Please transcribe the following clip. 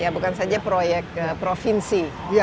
bukan saja proyek provinsi